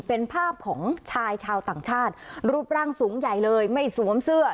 เป็นภาพของชายชาวต่างชาติรูปร่างสูงใหญ่เลยไม่สวมเสื้อ